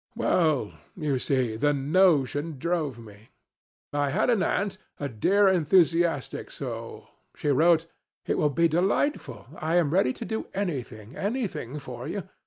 Well, you see, the notion drove me. I had an aunt, a dear enthusiastic soul. She wrote: 'It will be delightful. I am ready to do anything, anything for you.